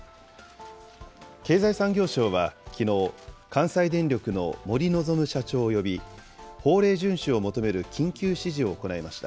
経済産業省はきのう、関西電力の森望社長を呼び、法令順守を求める緊急指示を行いました。